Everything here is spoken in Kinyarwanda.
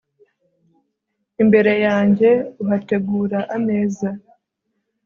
imbere yanjye uhategura ameza